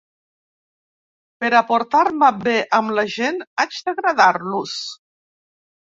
Per a portar-me bé amb la gent haig d'agradar-los.